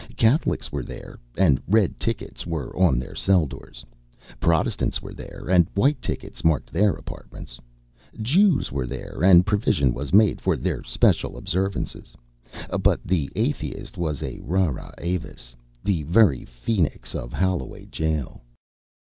Catholics were there, and red tickets were on their cell doors; Protestants were there, and white tickets marked their apartments; Jews were there, and provision was made for their special observances; but the Atheist was the rara avis, the very phoenix of Holloway Gaol.